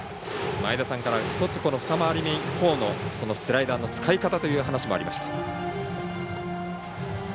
前田さんから、２回り目以降のスライダーの使い方という話もありました。